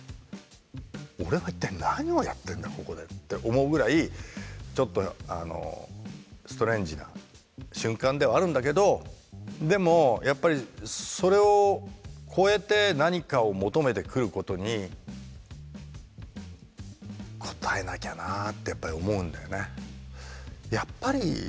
「俺は一体何をやってんだここで」って思うぐらいちょっとストレンジな瞬間ではあるんだけどでもやっぱりそれを超えて何かを求めてくることに応えなきゃなってやっぱり思うんだよね。